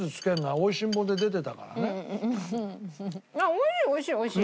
おいしいおいしいおいしい！